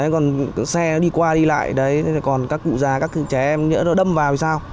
còn xe nó đi qua đi lại còn các cụ già các trẻ em nó đâm vào thì sao